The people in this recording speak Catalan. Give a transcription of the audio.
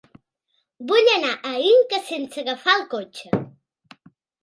Vull anar a Inca sense agafar el cotxe.